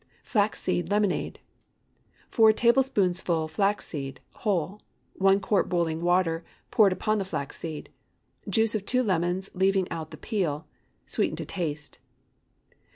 FLAX SEED LEMONADE. ✠ 4 tablespoonfuls flax seed (whole.) 1 quart boiling water poured upon the flax seed. Juice of two lemons, leaving out the peel. Sweeten to taste.